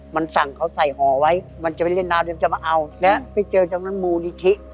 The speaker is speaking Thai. มันสั่งเขาใส่ห่อไว้มันจะไปเล่นน้ำเดี๋ยวจะมาเอาแล้วไปเจอจำนั้นมูลนิธิ